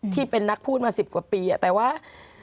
ที่เป็นนักพูดมา๑๐กว่าปีแต่ว่า